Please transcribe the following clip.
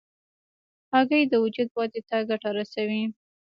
هګۍ د وجود ودې ته ګټه رسوي.